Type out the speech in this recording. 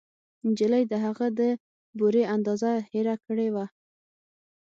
نجلۍ د هغه د بورې اندازه هېره کړې وه